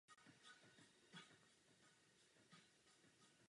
Podporoval české národní hnutí a státní právo.